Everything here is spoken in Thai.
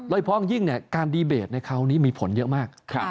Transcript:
โดยเฉพาะอย่างยิ่งการดีเบรตในคราวนี้มีผลเยอะมาก